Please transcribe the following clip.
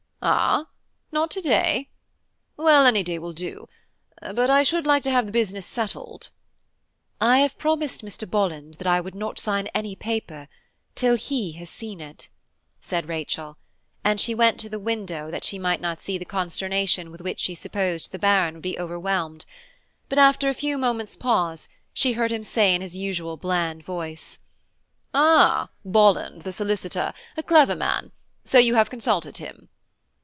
"Ah, not to day! Well, any day will do, but I should like to have the business settled." "I have promised Mr. Bolland that I would not sign any paper till he had seen it," said Rachel, and she went to the window that she might not see the consternation with which she supposed the Baron would be overwhelmed; but after a few moments' pause she heard him say in his usual bland voice: "Ah! Bolland the solicitor–a clever man–so you have consulted him?"